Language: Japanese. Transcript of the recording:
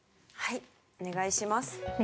お願いします。